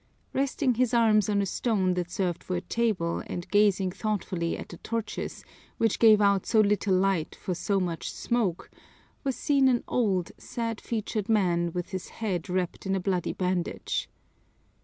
Resting his arms on a stone that served for a table and gazing thoughtfully at the torches, which gave out so little light for so much smoke, was seen an old, sad featured man with his head wrapped in a bloody bandage.